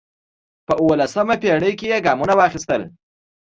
په اوولسمه پېړۍ کې یې ګامونه واخیستل